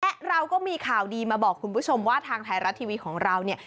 และเราก็มีข่าวดีมาบอกคุณผู้ชมว่าทางไทยรัฐทีวีของเราเนี่ย